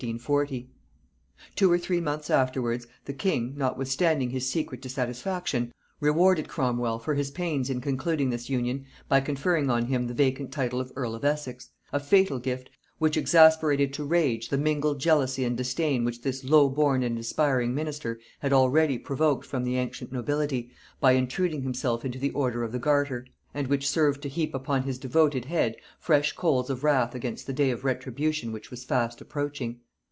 [Note 7: Herbert.] Two or three months afterwards, the king, notwithstanding his secret dissatisfaction, rewarded Cromwel for his pains in concluding this union by conferring on him the vacant title of earl of Essex; a fatal gift, which exasperated to rage the mingled jealousy and disdain which this low born and aspiring minister had already provoked from the ancient nobility, by intruding himself into the order of the garter, and which served to heap upon his devoted head fresh coals of wrath against the day of retribution which was fast approaching.